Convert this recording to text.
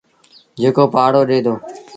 جيڪو پآهرو ڏي دو۔